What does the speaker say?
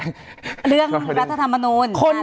เรื่องรัฐธรรมนูญครับ